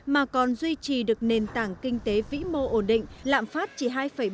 mà còn duy trì được nền tảng kinh tế vĩ mô ổn định lạm phát chỉ hai bốn mươi